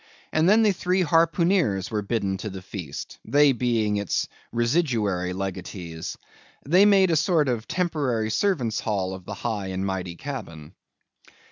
And then the three harpooneers were bidden to the feast, they being its residuary legatees. They made a sort of temporary servants' hall of the high and mighty cabin.